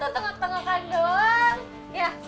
coba atau tengok tengokan saja